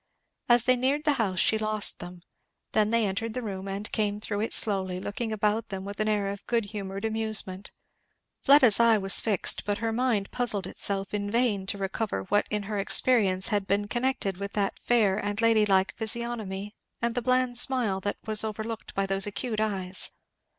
As they neared the house she lost them then they entered the room and came through it slowly, looking about them with an air of good humoured amusement. Fleda's eye was fixed but her mind puzzled itself in vain to recover what in her experience had been connected with that fair and lady like physiognomy and the bland smile that was overlooked by those acute eyes.